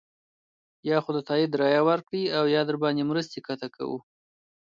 یا خو د تایید رایه ورکړئ او یا درباندې مرستې قطع کوو.